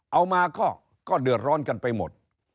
เอามาก็เดือดร้อนกันไปหมด